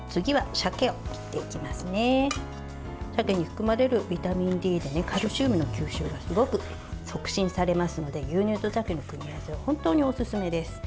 鮭に含まれるビタミンＤでカルシウムの吸収がすごく促進されますので牛乳と鮭の組み合わせは本当におすすめです。